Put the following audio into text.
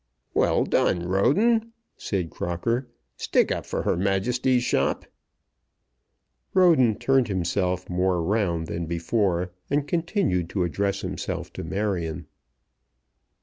"Well done, Roden," said Crocker. "Stick up for Her Majesty's shop." Roden turned himself more round than before, and continued to address himself to Marion.